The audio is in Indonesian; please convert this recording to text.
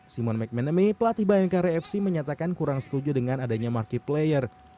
simon mcmanamy pelatih bayangkara fc menyatakan kurang setuju dengan adanya marquee player